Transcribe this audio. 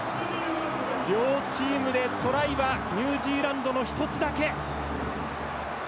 両チームでトライはニュージーランドの１つだけ。